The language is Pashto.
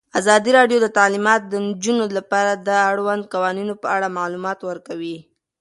ازادي راډیو د تعلیمات د نجونو لپاره د اړونده قوانینو په اړه معلومات ورکړي.